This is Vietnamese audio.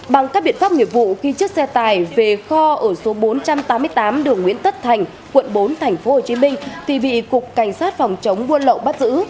bằng các biện pháp nghiệp vụ khi chiếc xe tài về kho ở số bốn trăm tám mươi tám đường nguyễn tất thành quận bốn tp hcm thì bị cục cảnh sát phòng chống buôn lậu bắt giữ